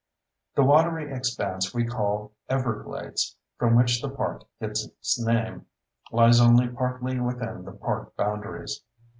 The watery expanse we call "everglades," from which the park gets its name, lies only partly within the park boundaries.